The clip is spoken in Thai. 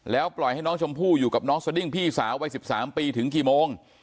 ปล่อยให้น้องชมพู่อยู่กับน้องสดิ้งพี่สาววัย๑๓ปีถึงกี่โมง